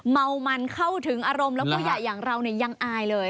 เมามันเข้าถึงอารมณ์แล้วผู้ใหญ่อย่างเรายังอายเลย